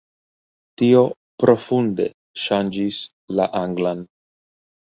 Tio profunde ŝanĝis la anglan.